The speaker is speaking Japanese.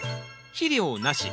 肥料なし。